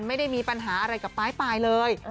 ไม่ได้มีปัญหาอะไรกับปลายเลย